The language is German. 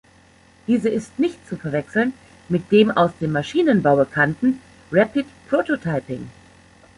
Diese ist nicht zu verwechseln mit dem aus dem Maschinenbau bekannten Rapid Prototyping.